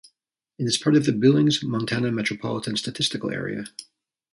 It is part of the Billings, Montana Metropolitan Statistical Area.